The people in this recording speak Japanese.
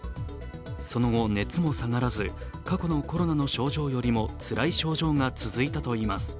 その後、熱も下がらず過去のコロナの症状よりもつらい症状が続いたといいます。